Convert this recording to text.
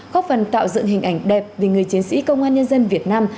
góp phần tạo dựng hình ảnh đẹp về người chiến sĩ công an nhân dân việt nam